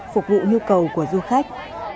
phục vụ nhu cầu của du khách